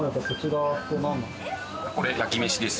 これ、焼き飯です。